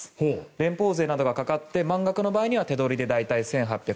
連邦税などがかかって満額の場合には大体手取りで１８７６億円。